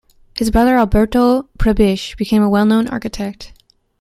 His brother Alberto Prebisch became a well-known architect.